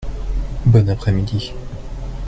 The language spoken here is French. Bon après-midi.